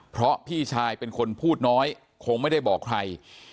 เพราะพี่ชายเป็นคนพูดน้อยคงไม่ได้บอกใคร